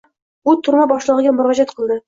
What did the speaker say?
U turma boshlig’iga murojaat qildi.